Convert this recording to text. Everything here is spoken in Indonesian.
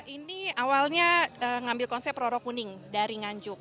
ini awalnya ngambil konsep roro kuning dari nganjuk